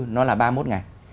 nó là ba mươi một ngày